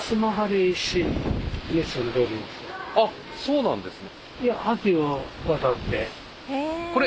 あそうなんですね。